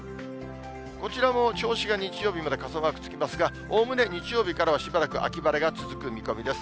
こちらも銚子が日曜日まで傘マークつきますが、おおむね日曜日からはしばらく秋晴れが続く見込みです。